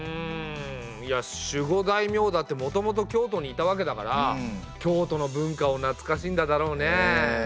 いや守護大名だってもともと京都にいたわけだから京都の文化をなつかしんだだろうね。